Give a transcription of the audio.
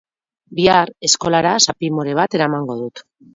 Bihar, eskolara, zapi more bat eramango dut.